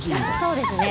そうですね。